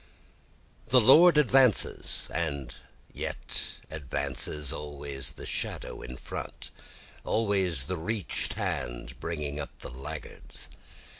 4 The Lord advances, and yet advances, Always the shadow in front, always the reach'd hand bringing up the laggards.